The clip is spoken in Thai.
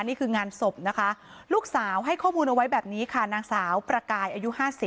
นี่คืองานศพนะคะลูกสาวให้ข้อมูลเอาไว้แบบนี้ค่ะนางสาวประกายอายุ๕๐